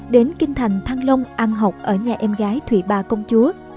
đến kinh thành thăng long ăn học ở nhà em gái thụy ba công chúa